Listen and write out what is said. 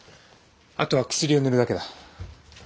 あとは薬を塗るだけだ。